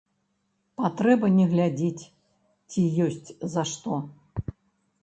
Патрэба не глядзіць, ці ёсць за што.